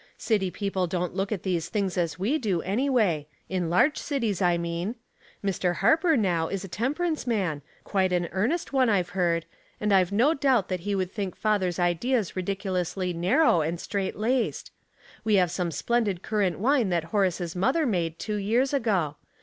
City people don't look at these things as we do, anyway — in large cities, I mean. Mr. Harper now is a temperance man, 22 Household Puzzles, quite an earnest one, I've heard, and I've no doubt that he would think father's ideas lidicu lously narrow and strait laced. We have some splendid currant wine that Horace's mother made two years ago.